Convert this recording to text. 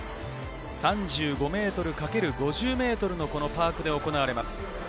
３５ｍ×５０ｍのパークで行われます。